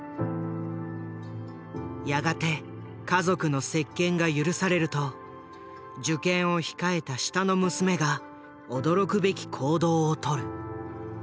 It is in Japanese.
やがて家族の接見が許されると受験を控えた下の娘が驚くべき行動をとる。